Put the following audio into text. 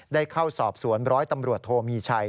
ได้เข้าสอบสวนร้อยตำรวจโทมีชัย